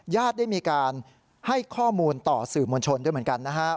ได้มีการให้ข้อมูลต่อสื่อมวลชนด้วยเหมือนกันนะครับ